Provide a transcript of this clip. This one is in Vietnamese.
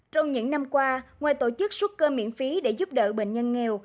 trong những năm qua ngoài tổ chức xuất cơm miễn phí để giúp đỡ bệnh nhân nghèo